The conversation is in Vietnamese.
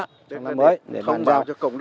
không còn gì để bàn giao